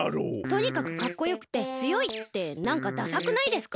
「とにかくかっこよくてつよい」ってなんかダサくないですか？